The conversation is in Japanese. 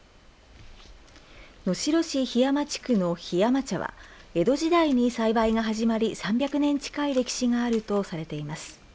能代市桧山地区の桧山茶は江戸時代に栽培が始まり３００年近い歴史があるとされています。